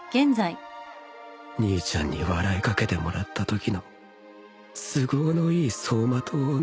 兄ちゃんに笑いかけてもらったときの都合のいい走馬灯を見て